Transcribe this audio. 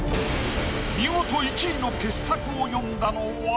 見事１位の傑作を詠んだのは？